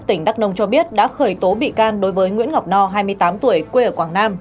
tỉnh đắk nông cho biết đã khởi tố bị can đối với nguyễn ngọc no hai mươi tám tuổi quê ở quảng nam